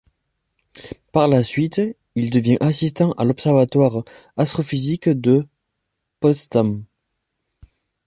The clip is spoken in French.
Par la suite il devient assistant à l'observatoire astrophysique de Potsdam.